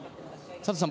佐藤さん